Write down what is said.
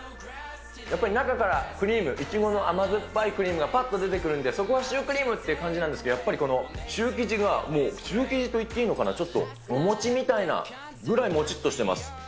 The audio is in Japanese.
やっぱり中からクリーム、イチゴの甘酸っぱいクリームがぱっと出てくるんで、そこはシュークリームっていう感じなんですけど、やっぱりこのシュー生地がもう、シュー生地と言っていいのかな、ちょっとお餅みたいなぐらいもちっとしてます。